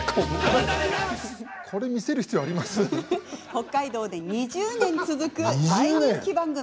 北海道で２０年続く大人気番組。